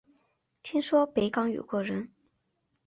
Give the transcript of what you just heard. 听说北港有个人